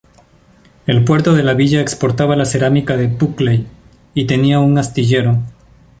El puerto de la villa exportaba la cerámica de Buckley, y tenía un astillero.